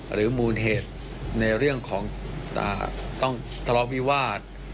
หรือมูลเหตุในเรื่องของต้องทะเลาะวิวาส